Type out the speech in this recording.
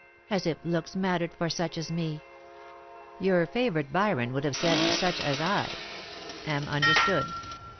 " As if looks mattered for such as me." " Your favourite Byron would have said ' sucb as I '— am un derstood.